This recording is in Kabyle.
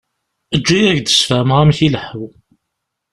Eǧǧ-iyi ad ak-d-sfehmeɣ amek i ileḥḥu.